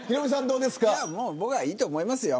僕はいいと思いますよ